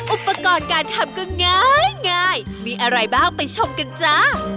อุปกรณ์การทำก็ง่ายมีอะไรบ้างไปชมกันจ้า